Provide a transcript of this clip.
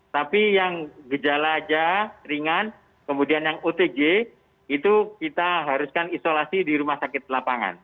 tapi yang gejala saja ringan kemudian yang otg itu kita haruskan isolasi di rumah sakit lapangan